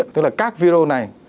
tức là các video này